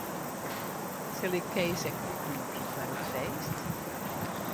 Sil ik Kees ek útnûgje foar it feest?